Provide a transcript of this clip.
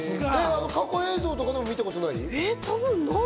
過去映像でも見たことない？